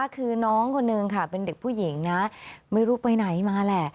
คือน้องคนนึงค่ะเป็นเด็กผู้หญิงนะไม่รู้ไปไหนมาแหละ